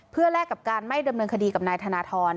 เพื่อแลกกับการไม่ดำเนินคดีกับนายธนทร